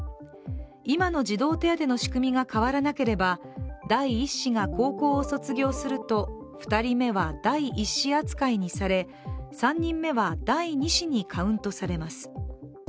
今の児童手当の仕組みが変わらなければ第１子が高校を卒業すると２人目は第１子扱いにされ３人目は第２子にカウントされます。